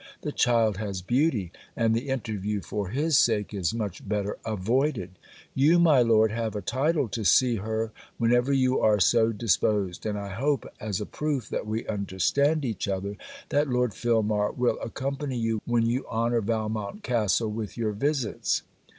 The child has beauty; and the interview for his sake is much better avoided. You, my Lord, have a title to see her whenever you are so disposed; and I hope as a proof that we understand each other, that Lord Filmar will accompany you when you honour Valmont castle with your visits.